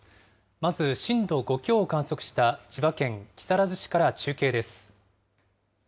まず震度５強を観測した千葉県木更津市から中継です。